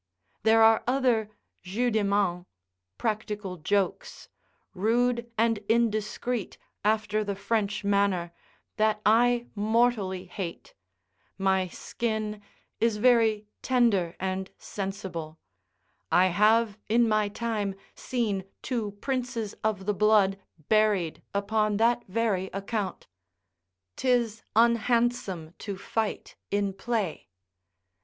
There are other jeux de main, [practical jokes] rude and indiscreet, after the French manner, that I mortally hate; my skin is very tender and sensible: I have in my time seen two princes of the blood buried upon that very account. 'Tis unhandsome to fight in play.